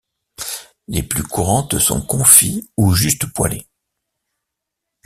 Les plus courantes sont confits ou juste poêlés.